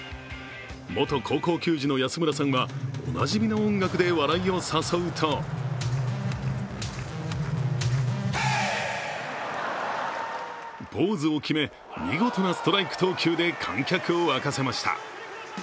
元高校球児の安村さんはおなじみの音楽で笑いを誘うとポーズを決め、見事なストライク投球で観客を沸かせました。